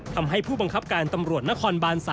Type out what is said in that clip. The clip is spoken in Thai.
ทำให้ผู้บังคับการตำรวจนครบาน๓